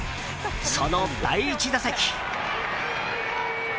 その第１打席。